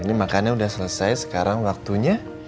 ini makannya sudah selesai sekarang waktunya